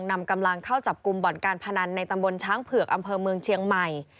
นำกำลังเข้าจับกลุ่มบ่อนการพนันในตำบลช้างเผือกอำเภอเมืองเชียงใหม่